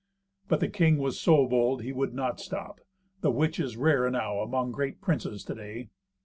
But the king was so bold he would not stop; the which is rare enow among great princes to day.